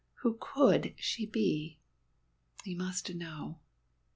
Who could she be? He must know.